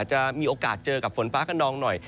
จะมีโอกาสเจอกับฝนฟ้ากระนองหน่อย